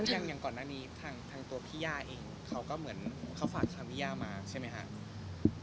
อย่างก่อนหน้านี้ทางตัวพี่ย่าเองเขาก็เหมือนเขาฝากทางพี่ย่ามาใช่ไหมครับ